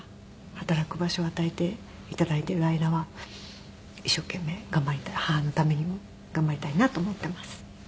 働く場所を与えて頂いている間は一生懸命頑張りたい母のためにも頑張りたいなと思っています。